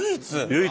唯一？